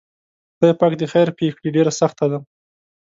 خدای پاک دې خیر پېښ کړي ډېره سخته ده.